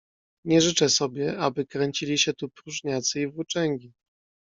"Nie życzę sobie, aby kręcili się tu próżniacy i włóczęgi."